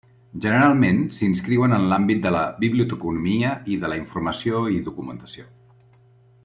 Generalment s’inscriuen en l'àmbit de la Biblioteconomia i de la Informació i Documentació.